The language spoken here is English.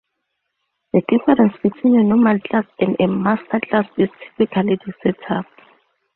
The difference between a normal class and a master class is typically the setup.